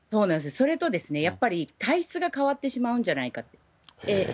それとやっぱり、体質が変わってしまうんじゃないか。